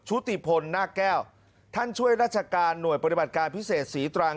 ติพลนาคแก้วท่านช่วยราชการหน่วยปฏิบัติการพิเศษศรีตรัง